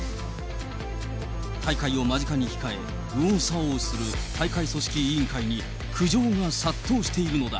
大会を間近に控え、右往左往する大会組織委員会に苦情が殺到しているのだ。